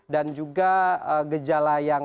dan juga gejala yang